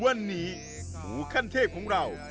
วันนี้หมูขั้นเทพของเรา